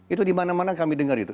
itu dimana mana kami dengar itu